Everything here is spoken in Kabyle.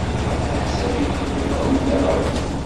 Ɣef leḥsab-nnem, ḍefrent-aɣ-d?